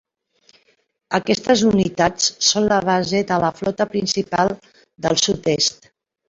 Aquestes unitats són la base de la flota principal del sud-est.